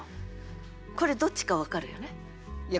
これどっちか分かるよね？